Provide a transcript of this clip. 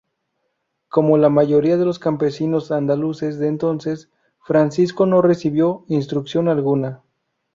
Como la mayoría de los campesinos andaluces de entonces, Francisco no recibió instrucción alguna.